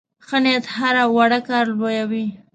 ښه نیت هره وړه کار لویوي.